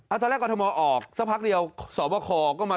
ตอนแรกกรทมออกสักพักเดียวสวบคก็มา